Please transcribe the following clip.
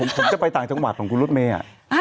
ผมจะไปต่างจังหวัดของคุณรถเมย์